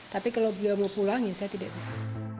tapi kalau beliau mau pulang ya saya tidak bisa